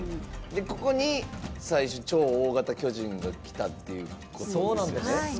ここに最初超大型巨人が来たっていうことですよね。